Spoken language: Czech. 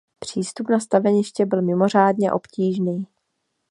Přístup na staveniště byl mimořádně obtížný.